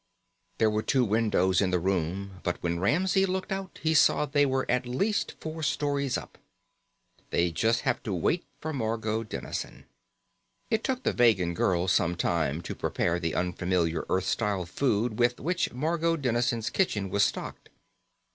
There were two windows in the room, but when Ramsey looked out he saw they were at least four stories up. They'd just have to wait for Margot Dennison. It took the Vegan girl some time to prepare the unfamiliar Earth style food with which Margot Dennison's kitchen was stocked.